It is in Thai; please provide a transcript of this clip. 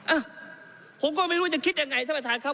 อ่ะผมก็ไม่รู้จะคิดยังไงท่านประธานครับ